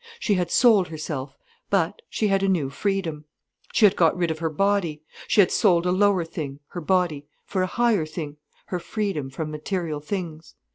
She had sold herself, but she had a new freedom. She had got rid of her body. She had sold a lower thing, her body, for a higher thing, her freedom from material things.